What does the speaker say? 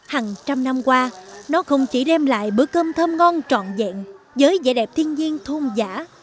hàng trăm năm qua nó không chỉ đem lại bữa cơm thơm ngon trọn vẹn với vẻ đẹp thiên nhiên thôn giả